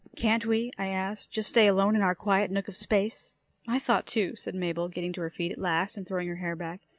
"Can't we," I asked, "just stay alone in our quiet nook of space?" "My thought, too," said Mabel, getting to her feet at last and throwing her hair back.